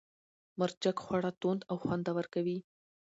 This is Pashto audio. مرچک خواړه توند او خوندور کوي.